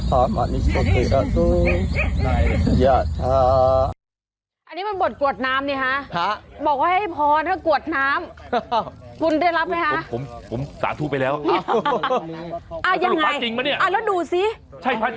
ใช่ภาษาจริงมั้ยเนี่ย